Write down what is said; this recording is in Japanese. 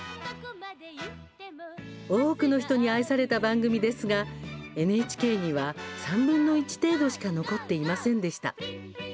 多くの人に愛された番組ですがＮＨＫには３分の１程度しか残っていませんでした。